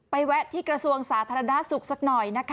ไปแวะที่กระสวงสาธารณสุขสักหน่อย